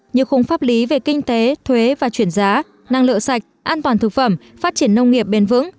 như khung pháp lý về kinh tế thuế và chuyển giá năng lượng sạch an toàn thực phẩm phát triển nông nghiệp bền vững